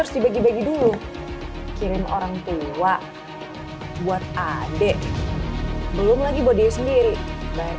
harus dibagi bagi dulu kirim orang tua buat adek belum lagi bodi sendiri bayar